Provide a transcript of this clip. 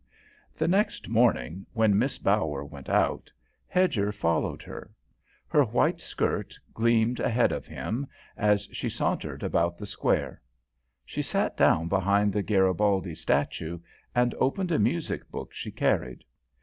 The next morning, when Miss Bower went out, Hedger followed her. Her white skirt gleamed ahead of him as she sauntered about the Square. She sat down behind the Garibaldi statue and opened a music book she carried.